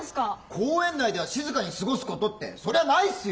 「公園内では静かに過ごすこと」ってそりゃないっすよ！